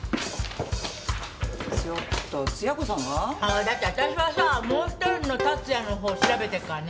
ちょっとつや子さんは？ああだってわたしはさもう一人の達也のほう調べてっからね。